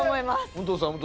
武藤さん